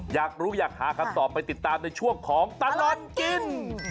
อยากรู้อยากหาคำตอบไปติดตามในช่วงของตลอดกิน